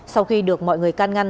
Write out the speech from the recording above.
sau khi được mọi người can ngăn